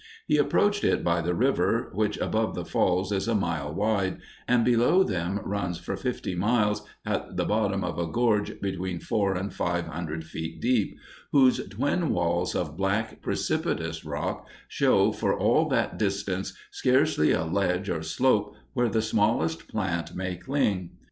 He approached it by the river, which above the Falls is a mile wide, and below them runs for fifty miles at the bottom of a gorge between four and five hundred feet deep, whose twin walls of black, precipitous rock show for all that distance scarcely a ledge or slope where the smallest plant may cling.